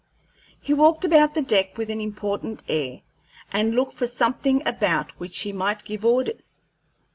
He walked about the deck with an important air, and looked for something about which he might give orders.